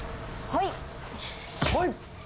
はい！